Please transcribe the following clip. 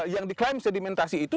yang diklaim sedimentasi itu